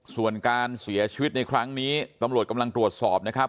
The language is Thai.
ส่วนการเสียชีวิตในครั้งนี้ตำรวจกำลังตรวจสอบนะครับ